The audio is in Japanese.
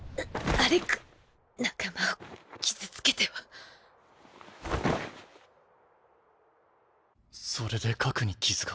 アレク仲間を傷つけてはそれで核に傷が。